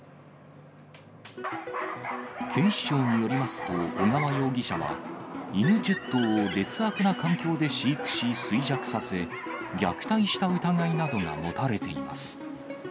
警視庁によりますと、尾川容疑者は、犬１０頭を劣悪な環境で飼育し、衰弱させ、虐待した疑いなどが持たれています。